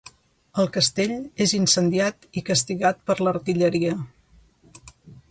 El castell és incendiat i castigat per l'artilleria.